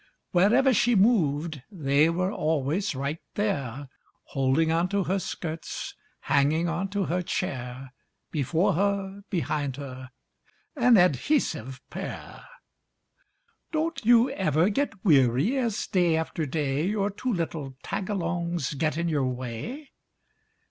Wherever she moved, They were always right there Holding onto her skirts, Hanging onto her chair. Before her, behind her An adhesive pair. Don't you ever get weary As, day after day, your two little tagalongs Get in your way?